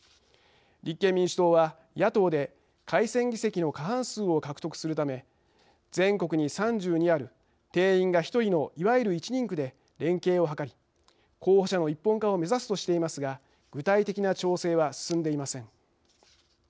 立憲民主党は野党で改選議席の過半数を獲得するため全国に３２ある定員が１人のいわゆる１人区で連携を図り候補者の一本化を目指すとしていますが具体的な調整は進んでいません。